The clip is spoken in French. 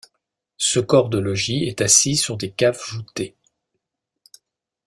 Ce corps de logis est assis sur des caves voûtées.